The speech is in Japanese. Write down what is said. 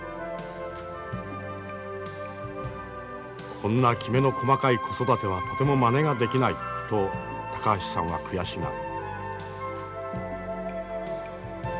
「こんなきめの細かい子育てはとてもまねができない」と高橋さんは悔しがる。